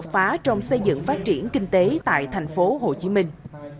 đột phá trong xây dựng phát triển kinh tế tại thành phố hồ chí minh